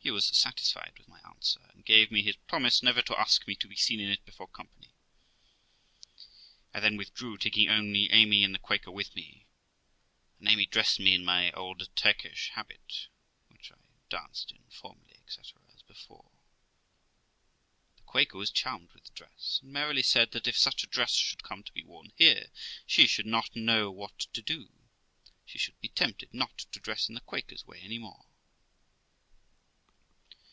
He was satisfied with my answer, and gave me his promise never to ask me to be seen in it before company. I then withdrew, taking only Amy and the Quaker with me; and Amy dressed me in my old Turkish habit, which I danced in formerly, etc., as before. The Quaker was charmed with the dress, and merrily said that, if such a dress should come to be worn here, she should not know 340 THE LIFE OF ROXANA what to do 5 she should be tempted not to dress in the Quaker's way any more.